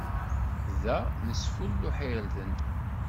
Da, nesfulluḥ irden.